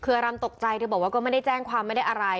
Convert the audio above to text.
คืออารำตกใจเธอบอกว่าก็ไม่ได้แจ้งความไม่ได้อะไร